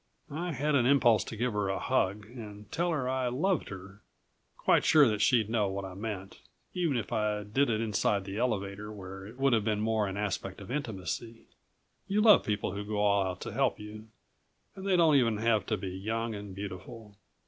I had an impulse to give her a hug and tell her I loved her, quite sure that she'd know what I meant, even if I did it inside the elevator where it would have more an aspect of intimacy. You love people who go all out to help you and they don't even have to be young and beautiful.